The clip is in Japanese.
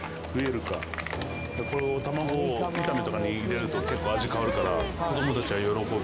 これを卵炒めとかに入れると結構味変わるから子どもたちは喜ぶ。